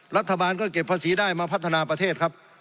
รัฐบาลก็เก็บภาษีได้มาพัฒนาประเทศครับ